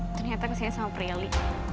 ternyata kesini sama prihli